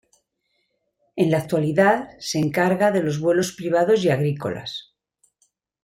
En la actualidad se encarga de los vuelos privados y agrícolas.